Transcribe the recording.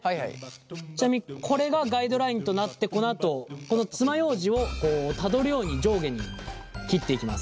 ちなみにこれがガイドラインとなってこのあとこのつまようじをたどるように上下に切っていきます。